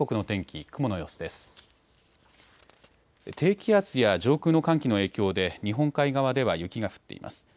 低気圧や上空の寒気の影響で日本海側では雪が降っています。